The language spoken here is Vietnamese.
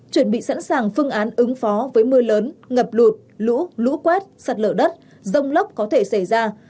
chuẩn bị sẵn sàng phương án ứng phó với mưa lớn ngập lụt lũ lũ quét sạt lở đất rông lốc có thể xảy ra